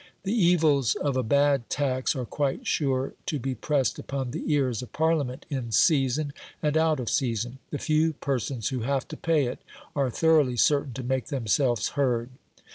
The evils of a bad tax are quite sure to be pressed upon the ears of Parliament in season and out of season; the few persons who have to pay it are thoroughly certain to make themselves heard.